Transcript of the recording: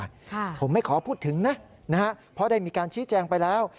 ค่ะผมไม่ขอพูดถึงนะนะฮะเพราะได้มีการชี้แจงไปแล้ว